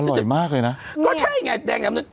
อร่อยมากเลยนะก็ใช่ไงแดงแนมเนือง